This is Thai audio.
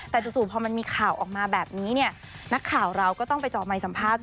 แต่จู่พอมันมีข่าวออกมาแบบนี้เนี่ยนักข่าวเราก็ต้องไปเจาะใหม่สัมภาษณ์